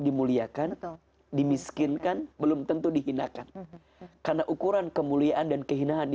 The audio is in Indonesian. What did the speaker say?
dimuliakan dimiskinkan belum tentu dihina kan karena ukuran kemuliaan dan kehinaan di